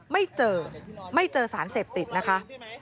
ไม่เจอไม่เจอสารเสพติดนะคะ